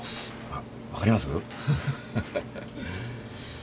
あっ分かります？ハハハ。